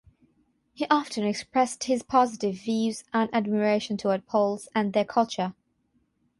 He often expressed his positive views and admiration towards Poles and their culture.